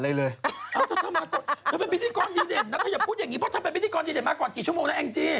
แล้วถ้าอย่าพูดอย่างนี้เพราะเธอเป็นพิธีกรที่เด่นมาก่อนกี่ชั่วโมงนะแอ้งจี้